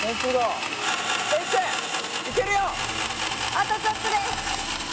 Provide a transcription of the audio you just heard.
あとちょっとです。